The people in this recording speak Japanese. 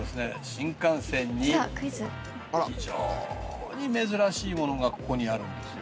新幹線に非常に珍しいものがここにあるんですよ。